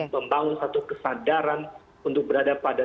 membangun satu kesadaran untuk berada pada